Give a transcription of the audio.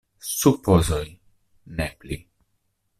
Supozoj, ne pli.